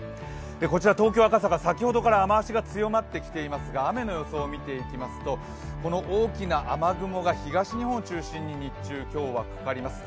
こちら、東京・赤坂、先ほどから雨足が強まってきていますが、雨の予想を見ていきますとこの大きな雨雲が東日本を中心に日中、今日はかかります。